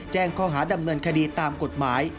แจ้งข้อหาดำเนินคดีตามกฎหมาย